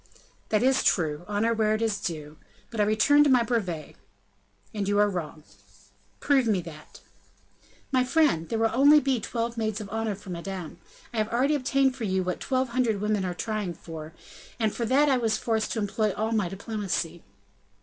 "That is true; honor where it is due; but I return to my brevet." "And you are wrong." "Prove me that." "My friend, there will only be twelve maids of honor for madame; I have already obtained for you what twelve hundred women are trying for, and for that I was forced to employ all my diplomacy."